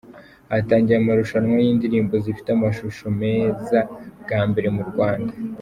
Hatangiye amarushanwa y’indirimbo zifite amashusho meza bwa mbere mu Rwanda